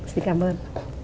xin cảm ơn